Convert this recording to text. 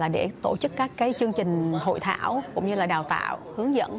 để tổ chức các chương trình hội thảo cũng như là đào tạo hướng dẫn